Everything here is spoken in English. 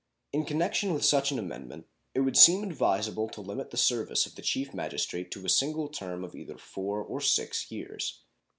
In connection with such an amendment it would seem advisable to limit the service of the Chief Magistrate to a single term of either four or six years.